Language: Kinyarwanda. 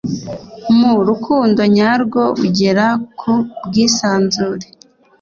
mu rukundo nyarwo, ugera ku bwisanzure.